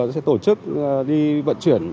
sẽ tổ chức đi vận chuyển